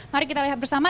mari kita lihat bersama